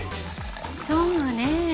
そうねえ。